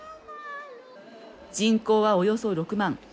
人口は、およそ６万。